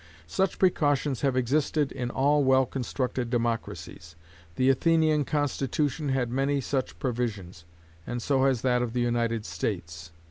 Such precautions have existed in all well constructed democracies. The Athenian Constitution had many such provisions, and so has that of the United States.